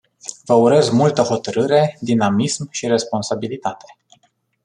Vă urez multă hotărâre, dinamism și responsabilitate.